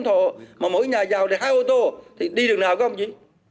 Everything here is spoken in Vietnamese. hai tám trăm linh thộ mà mỗi nhà giàu hai ô tô thì đi được nào không chí